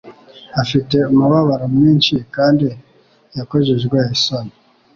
afite umubabaro mwinshi kandi yakojejwe isoni,